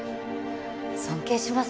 尊敬します